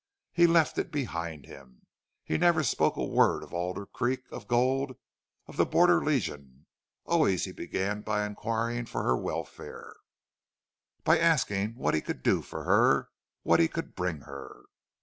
He left it behind him. He never spoke a word of Alder Creek, of gold, of the Border Legion. Always he began by inquiring for her welfare, by asking what he could do for her, what he could bring her.